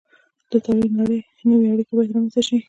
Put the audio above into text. د تولید نوې اړیکې باید رامنځته شي.